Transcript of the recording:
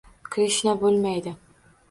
Krishna bo'lmaydi